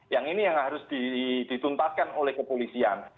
yang ini yang harus dituntaskan oleh kepolisian